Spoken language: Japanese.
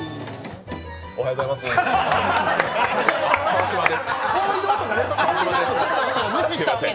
おはようございます、川島です。